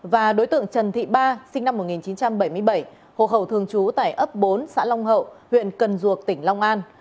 và đối tượng trần thị ba sinh năm một nghìn chín trăm bảy mươi bảy hộ khẩu thường trú tại ấp bốn xã long hậu huyện cần duộc tỉnh long an